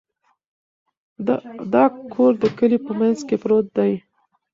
دا کور د کلي په منځ کې پروت دی.